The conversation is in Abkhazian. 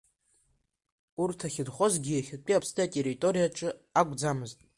Урҭ ахьынхозгьы иахьатәи Аԥсны атерриториаҿы акәӡамызт.